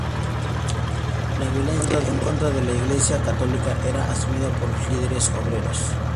La violencia en contra de la Iglesia Católica era asumida por los líderes obreros.